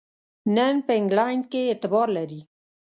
نن په انګلینډ کې اعتبار لري.